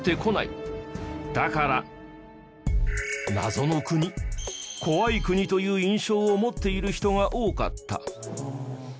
だから謎の国怖い国という印象を持っている人が多かった。